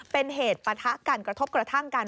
เป็นเหตุปะทะกันกระทบกระทั่งกัน